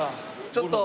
ちょっと。